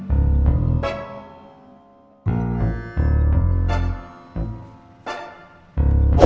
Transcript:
kamu gak bisa menangis